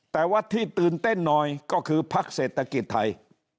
แต่ว่าที่ตื่นเต้นหน่อยก็คือพักเศรษฐกิจไทย